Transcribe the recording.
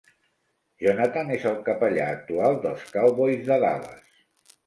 Jonathan és el capellà actual dels Cowboys de Dallas.